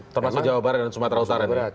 termasuk jawa barat dan sumatera utara ini